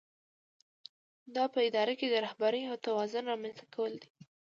دا په اداره کې د رهبرۍ او توازن رامنځته کول دي.